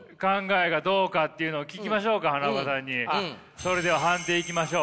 それでは判定いきましょう。